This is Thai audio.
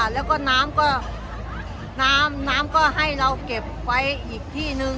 แล้วก็น้ำก็น้ำน้ำก็ให้เราเก็บไว้อีกที่นึง